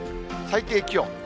最低気温。